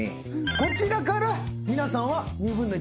こちらから皆さんは２分の１。